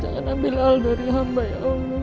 jangan ambil al dari hamba ya